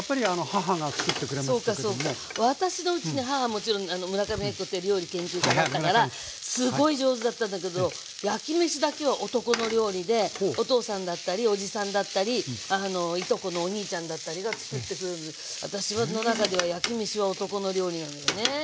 もちろん村上昭子って料理研究家だったからすごい上手だったんだけど焼きめしだけは男の料理でお父さんだったりおじさんだったりいとこのお兄ちゃんだったりがつくってくれるので私の中では焼きめしは男の料理なのよね。